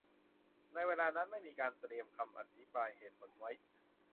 ในเวลานั้นไม่มีการเตรียมคำอธิบายเหตุผลไว้